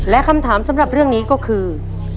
และคำถามสำหรับเรื่องนี้ก็คือ